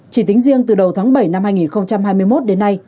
chỉ tính riêng từ đầu tháng bảy năm hai nghìn hai mươi một đến nay